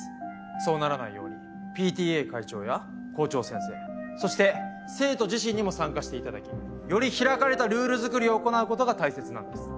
そうならないようにＰＴＡ会長や校長先生そして生徒自身にも参加して頂きより開かれたルール作りを行う事が大切なんです。